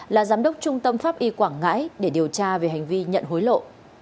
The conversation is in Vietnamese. là giám đốc trung tâm pháp y quảng ngãi để điều tra về hành vi nhận hối lộ